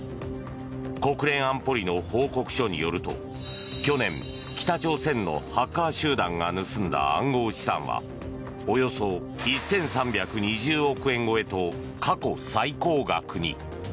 国連安保理の報告書によると去年、北朝鮮のハッカー集団が盗んだ暗号資産はおよそ１３２０億円超えと過去最高額に。